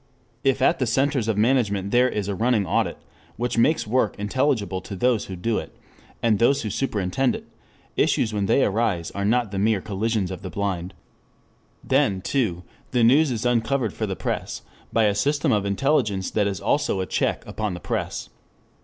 If at the centers of management there is a running audit, which makes work intelligible to those who do it, and those who superintend it, issues when they arise are not the mere collisions of the blind. Then, too, the news is uncovered for the press by a system of intelligence that is also a check upon the press.